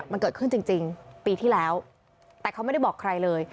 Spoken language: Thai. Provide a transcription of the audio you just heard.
มันเกิดขึ้นจริงปีที่แล้วแต่เขาไม่ได้บอกใครเลย